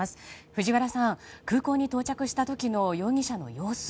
藤原さん、空港に到着した時の容疑者の様子